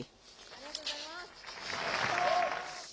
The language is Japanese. ありがとうございます。